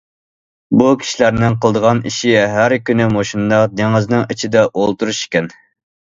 بۇ كىشىلەرنىڭ قىلىدىغان ئىشى ھەر كۈنى مۇشۇنداق دېڭىزنىڭ ئىچىدە ئولتۇرۇش ئىكەن.